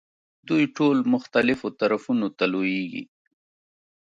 دوی ټول مختلفو طرفونو ته لویېږي.